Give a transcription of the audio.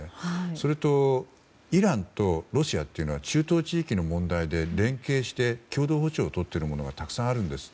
それと、イランとロシアは中東地域の問題で連携して共同歩調をとっているものがたくさんあるんです。